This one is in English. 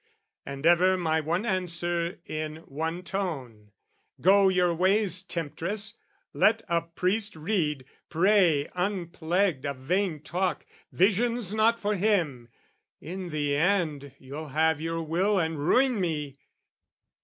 And ever my one answer in one tone "Go your ways, temptress! Let a priest read, pray, "Unplagued of vain talk, visions not for him! "In the end, you'll have your will and ruin me!"